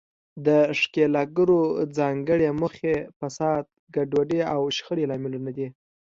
د ښکیلاکګرو ځانګړې موخې، فساد، ګډوډي او شخړې لاملونه دي.